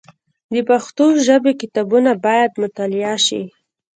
د پښتو ژبي کتابونه باید مطالعه سي.